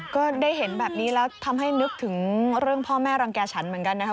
ก็ได้เห็นแบบนี้แล้วทำให้นึกถึงเรื่องพ่อแม่รังแก่ฉันเหมือนกันนะครับ